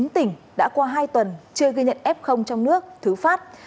một mươi tỉnh đã qua hai tuần chưa ghi nhận f trong nước thứ phát